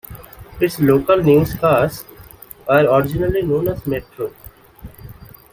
Its local newscasts were originally known as "Metro".